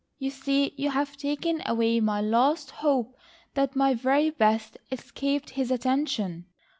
You see you have taken away my last hope that my very best escaped his attention."